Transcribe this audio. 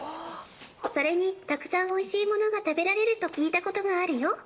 それにたくさんおいしいものが食べられると聞いたことがあるよ。